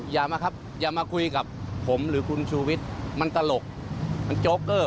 อย่ามาครับอย่ามาคุยกับผมหรือคุณชูวิทย์มันตลกมันโจ๊กเกอร์